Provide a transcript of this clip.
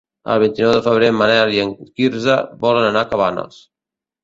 El vint-i-nou de febrer en Manel i en Quirze volen anar a Cabanes.